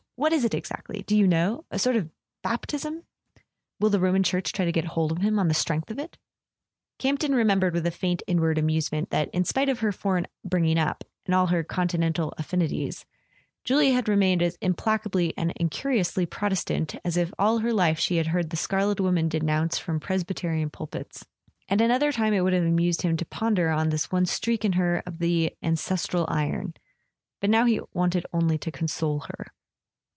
What is it exactly, do you know? A sort of baptism? Will the Roman Church try to get hold of him on the strength of it?" [ 304 ] A SON AT THE FRONT Campton remembered with a faint inward amuse¬ ment that, in spite of her foreign bringing up, and all her continental affinities, Julia had remained as implacably and incuriously Protestant as if all her life she had heard the Scarlet Woman denounced from Presbyterian pulpits. At another time it would have amused him to ponder on this one streak in her of the ancestral iron; but now he wanted only to console her.